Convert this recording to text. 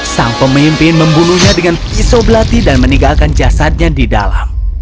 sang pemimpin membunuhnya dengan pisau belati dan meninggalkan jasadnya di dalam